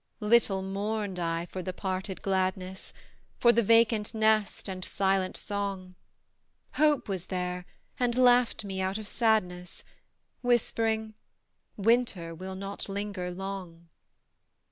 Little mourned I for the parted gladness, For the vacant nest and silent song Hope was there, and laughed me out of sadness; Whispering, "Winter will not linger long!"